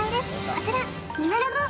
こちら